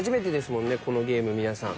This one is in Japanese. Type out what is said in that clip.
このゲーム皆さん。